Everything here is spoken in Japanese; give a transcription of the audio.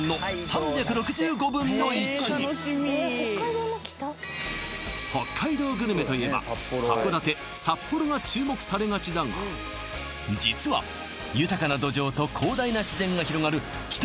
温泉北海道グルメといえば函館札幌が注目されがちだが実は豊かな土壌と広大な自然が広がる北